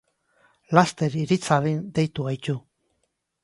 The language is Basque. Laster irits dadin deitu gaitu.